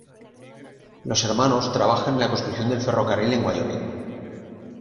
Los hermanos trabajan en la construcción del ferrocarril en Wyoming.